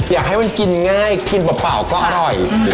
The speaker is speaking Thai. อยากให้มันกินง่ายกินเปล่าก็อร่อย